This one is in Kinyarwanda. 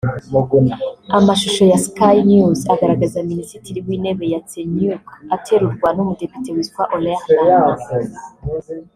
Amashusho ya Sky News agaragaza Minisitiri w’Intebe Yatsenyuk aterurwa n’umudepite witwa Oleh Barna